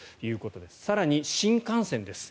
更に、新幹線です。